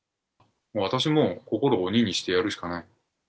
私も心を鬼にしてやるしかない。